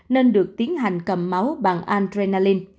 nên được tiến hành cầm máu bằng adrenalin